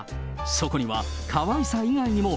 そこには、かわいさ以外にも。